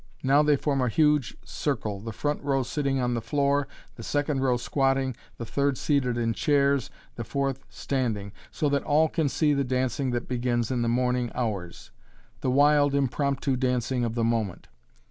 Now they form a huge circle, the front row sitting on the floor, the second row squatting, the third seated in chairs, the fourth standing, so that all can see the dancing that begins in the morning hours the wild impromptu dancing of the moment.